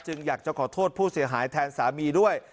อยากจะขอโทษผู้เสียหายแทนสามีด้วย